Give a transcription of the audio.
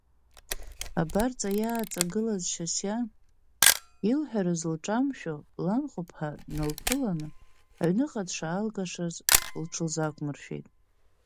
Абарҵа иааҵагылаз Шьасиа, илҳәарыз лҿамшәо, ланхәԥҳа дналԥыланы аҩныҟа дшаалгашаз лҽылзақәмыршәеит.